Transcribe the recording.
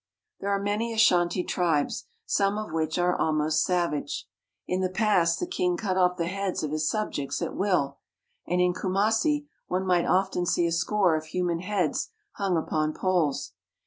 There are many Ashanti tribes, some of which are almost savage. In the past the king cut off the heads of his subjects at will, and, in Kumassi, one might often see a score of human heads hung upon poles.